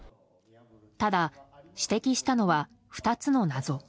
ただ、指摘したのは２つの謎。